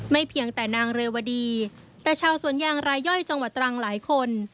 เพียงแต่นางเรวดีแต่ชาวสวนยางรายย่อยจังหวัดตรังหลายคน